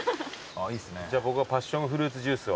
じゃあ僕はパッションフルーツジュースを。